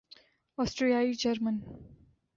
آسٹریائی German